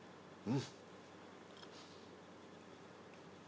うん。